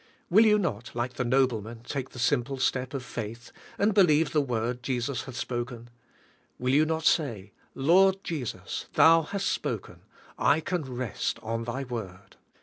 Will }^ou not, like the nobleman, take the simple step of faith, and believe the word Jesus hath spoken ? Will you not say, "Lord Jesus, Thou hast spoken : I can rest on Thy Word.